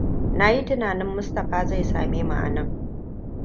Na yi tunanin Mustapha zai same mu anan.